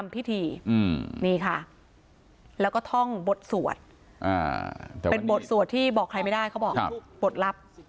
ปฎลับ